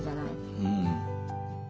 うん。